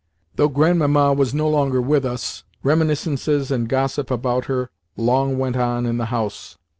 Though Grandmamma was no longer with us, reminiscences and gossip about her long went on in the house.